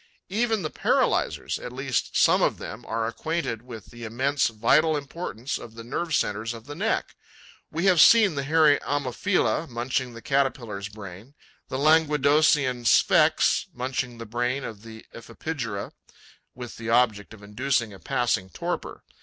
Even the paralyzers, at least some of them, are acquainted with the immense vital importance of the nerve centres of the neck. We have seen the Hairy Ammophila munching the caterpillar's brain, the Languedocian Sphex munching the brain of the Ephippigera, with the object of inducing a passing torpor.